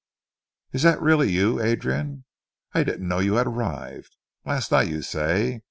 "Is that really you, Adrian? I didn't know you had arrived.... Last night you say....